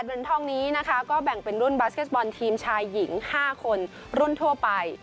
เหรียญทองนี้นะคะก็แบ่งเป็นรุ่นบาสเก็ตบอลทีมชายหญิง๕คนรุ่นทั่วไป